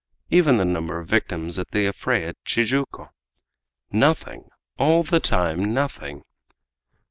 even the number of victims at the affray at Tijuco! Nothing! All the time nothing!